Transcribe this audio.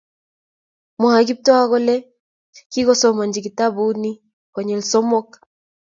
Mwa kole Kiptoo kole kakosomancjimkitabut ni konyil somok